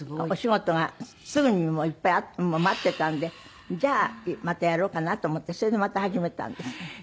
お仕事がすぐにいっぱい待ってたんでじゃあまたやろうかなと思ってそれでまた始めたんです。